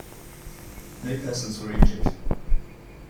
No persons were injured.